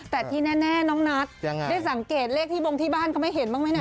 แต่ที่แน่น้องนัทได้สังเกตเลขที่บงที่บ้านเขาไม่เห็นบ้างไหมนะ